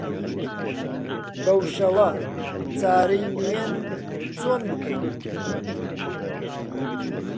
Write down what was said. بەو شەوە چارەی نوێن چۆن بکەین؟